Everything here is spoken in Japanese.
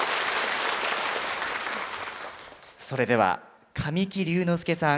それでは神木隆之介さん